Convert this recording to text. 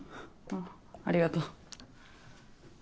ありがと。